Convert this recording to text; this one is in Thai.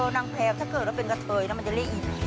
นางแพวถ้าเกิดเราเป็นกระเทยมันจะเรียก